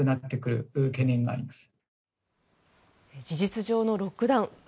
事実上のロックダウン。